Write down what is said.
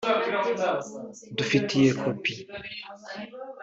dufitiye kopi